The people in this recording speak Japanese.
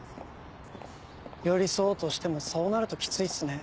寄り添おうとしてもそうなるとキツいっすね。